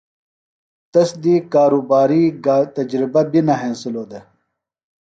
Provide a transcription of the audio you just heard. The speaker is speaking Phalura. تس دی کارُباری گہ تجرُبہ بیۡ نہ ہنسِلوۡ دےۡ۔